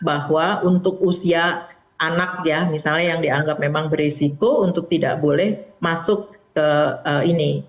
sebetulnya ada gitu aturan ya yang dicoba ditegakkan bahwa untuk usia anak ya misalnya yang dianggap memang berisiko untuk tidak boleh masuk ke ini